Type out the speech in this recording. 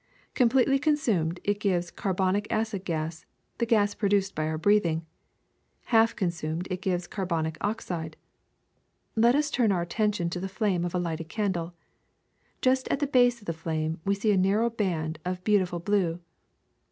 Completely consumed, it gives carbonic acid gas, the gas produced by our breathing; half consumed it gives carbonic oxide. Let us turn our attention to the flame of a lighted candle. Just at the base of the flame we see a nar row band of beautiful blue.